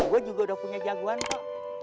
gue juga udah punya jagoan kok